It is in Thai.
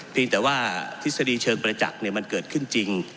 เพียงแต่ว่าทฤษฎีเชิงบรรยจักรมันเกิดขึ้นจริง